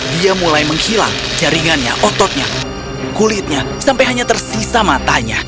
dia mulai menghilang jaringannya ototnya kulitnya sampai hanya tersisa matanya